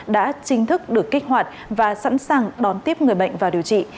đã chính thức được kích hoạt và sẵn sàng đón tiếp người bệnh vào điều trị